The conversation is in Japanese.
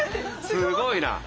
すごいな。